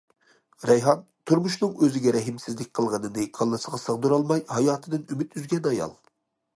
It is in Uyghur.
رەيھان تۇرمۇشنىڭ ئۆزىگە رەھىمسىزلىك قىلغىنىنى كاللىسىغا سىغدۇرالماي، ھاياتىدىن ئۈمىد ئۈزگەن ئايال.